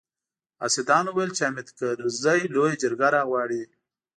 حاسدانو ويل چې حامد کرزي لويه جرګه راغواړي.